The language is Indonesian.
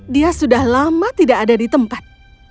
dia sudah lama tidak ada di tempat